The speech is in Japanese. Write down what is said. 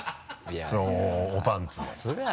そのおパンツは。